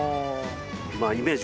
まあイメージ